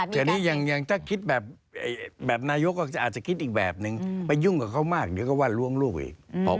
เพียงเมื่อกี้พูดถึงสาธารณ์ตอนนี้ถึงว่า